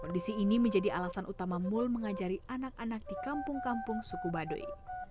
kondisi ini menjadi alasan utama mul mengajari anak anak di kampung kampung suku baduy